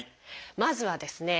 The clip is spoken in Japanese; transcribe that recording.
まずはですね